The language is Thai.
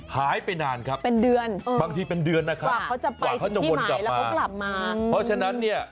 หายไปนานครับบางทีเป็นเดือนนะคะกว่าเขาจะบนกลับมาเพราะฉะนั้นเนี่ย